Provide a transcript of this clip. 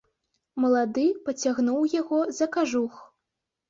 Малады пацягнуў яго за кажух.